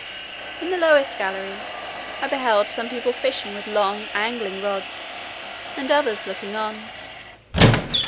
In the lowest gallery, I beheld some people fishing with long angling rods, and others looking on.